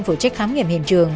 phụ trách khám nghiệm hiện trường